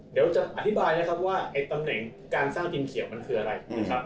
เดี๋ยวจะอธิบายนะครับว่าไอ้ตำแหน่งการสร้างดินเขียวมันคืออะไรนะครับ